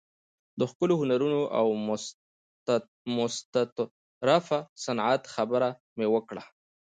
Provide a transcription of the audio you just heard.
د ښکلو هنرونو او مستطرفه صنعت خبره مې وکړه.